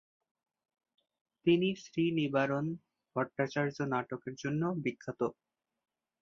তিনি শ্রী নিবারণ ভট্টাচার্য নাটকের জন্য বিখ্যাত।